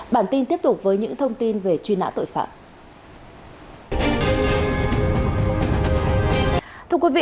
bản tin tiếp tục với những thông tin về truy nã tội phạm